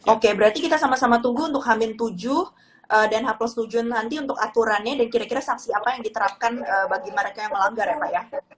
oke berarti kita sama sama tunggu untuk h tujuh dan h tujuh nanti untuk aturannya dan kira kira sanksi apa yang diterapkan bagi mereka yang melanggar ya pak ya